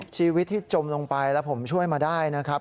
ชีวิตที่จมลงไปแล้วผมช่วยมาได้นะครับ